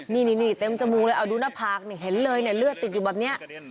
นี่เต็มจมูกเลยเอาดูหน้าผากเห็นเลยเนี่ยเลือดติดอยู่แบบนี้